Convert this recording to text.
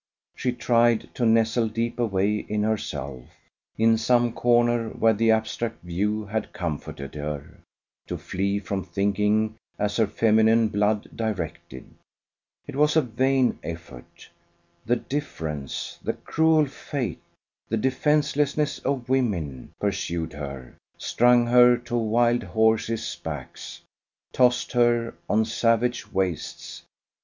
She tried to nestle deep away in herself: in some corner where the abstract view had comforted her, to flee from thinking as her feminine blood directed. It was a vain effort. The difference, the cruel fate, the defencelessness of women, pursued her, strung her to wild horses' backs, tossed her on savage wastes.